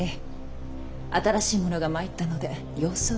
新しい者が参ったので様子を伺いに。